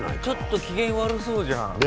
ちょっと機嫌悪そうじゃん。